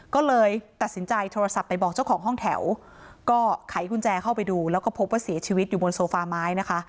ก็เลยตัดสินใจโทรศัพท์ไปบอกเจ้าของห้องแถวก็ไขกุญแจเข้าไปดูแล้วก็พบว่าเสียชีวิตอยู่บนโซฟาไม้นะคะ